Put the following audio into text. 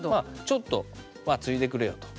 ちょっとまあついでくれよと。